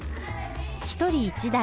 １人１台。